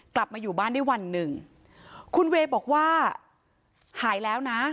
กลับมาอยู่บ้านได้วันหนึ่งคุณเวย์บอกว่าหายแล้วนะ